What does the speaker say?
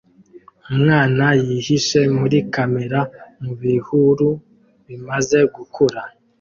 Umwana yihishe muri kamera mubihuru bimaze gukura